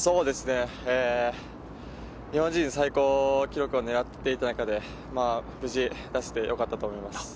日本人最高記録を狙っていた中で無事出せてよかったと思います。